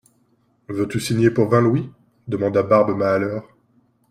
Veux-tu signer pour vingt louis ? demanda Barbe Mahaleur.